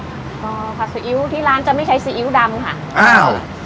ก็ผัดซีอิ๊วที่ร้านจะไม่ใช้ซีอิ๊วดำค่ะอ้าว